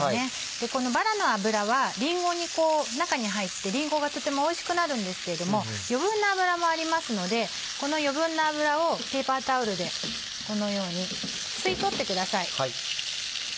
このバラの脂はりんごに中に入ってりんごがとてもおいしくなるんですけれども余分な脂もありますのでこの余分な脂をペーパータオルでこのように吸い取ってください。